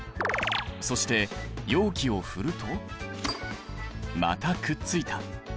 そして容器を振るとまたくっついた。